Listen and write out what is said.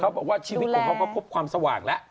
บอกว่าชีวิตของเขาก็พบความสว่างแล้ว